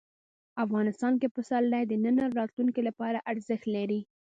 افغانستان کې پسرلی د نن او راتلونکي لپاره ارزښت لري.